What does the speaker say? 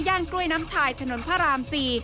ย่านกล้วยน้ำไทยถนนพระราม๔